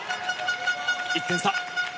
１点差。